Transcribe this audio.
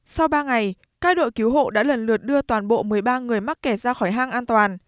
sau ba ngày các đội cứu hộ đã lần lượt đưa toàn bộ một mươi ba người mắc kẹt ra khỏi hang an toàn